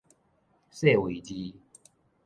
勢位字